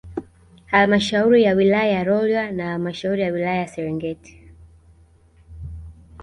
Halmashauri ya Wilaya ya Rolya na Halmashauri ya wilaya ya Serengeti